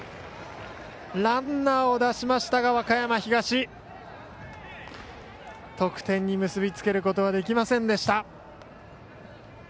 ランナーを出しましたが和歌山東得点に結び付けることはできませんでした。